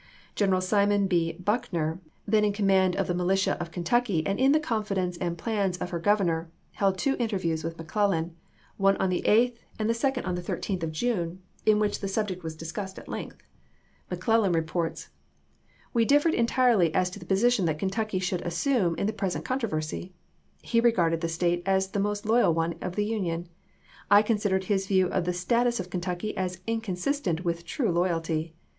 General Simon B. Buckner, then in command of the militia of Ken tucky and in the confidence and plans of her Gov ernor, held two interviews with McClellan, one on the 8th and the second on the 13th of June, in which the subject was discussed at length. McClellan reports : We differed entirely as to the position that Kentucky should assume in the present controversy. He regarded the State as the most loyal one in the Union. I consid ered his view of the status of Kentucky as inconsistent with true loyalty.